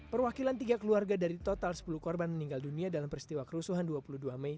perwakilan tiga keluarga dari total sepuluh korban meninggal dunia dalam peristiwa kerusuhan dua puluh dua mei